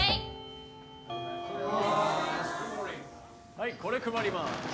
はいこれ配ります。